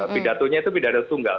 bidatunya itu bidat tunggal